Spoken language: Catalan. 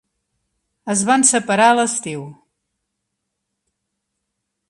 Es van separar a l'estiu.